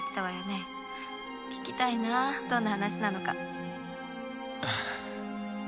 聞きたいなどんな話なのか。